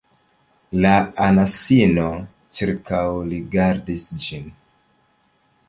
La anasino ĉirkaŭrigardis ĝin.